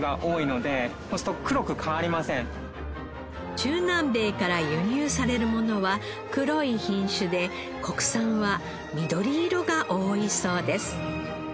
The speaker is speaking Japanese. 中南米から輸入されるものは黒い品種で国産は緑色が多いそうです。